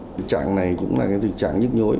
thực trạng này cũng là thị trạng nhức nhối